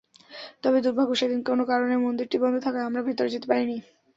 তবে দুর্ভাগ্য, সেদিন কোনো কারণে মন্দিরটি বন্ধ থাকায় আমরা ভেতরে যেতে পারিনি।